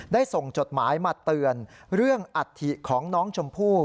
ส่งจดหมายมาเตือนเรื่องอัฐิของน้องชมพู่